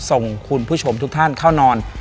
ส่งคุณผู้ชมทุกท่านเข้านอน